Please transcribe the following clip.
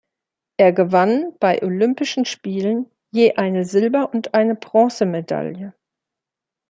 Er gewann bei Olympischen Spielen je eine Silber- und eine Bronzemedaille.